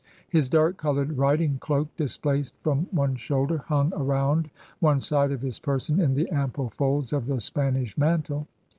His dark colored riding cloak, displaced from one shoulder, hung around one side of his person in the ample folds of the Spanish mantle.